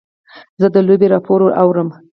زه د لوبې راپور اورم.